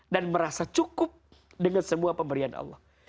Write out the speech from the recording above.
dan merasa cukup dengan semua pemberian allah